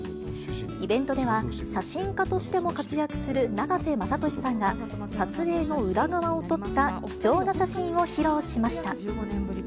イベントでは、写真家としても活躍する永瀬正敏さんが、撮影の裏側を撮った貴重な写真を披露しました。